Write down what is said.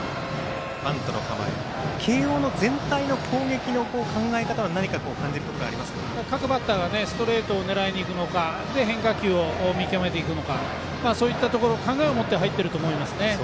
慶応の全体の攻撃の考え方は各バッターがストレートを狙いにいくのか変化球を見極めていくのかそういったところ考えを持って入っていると思います。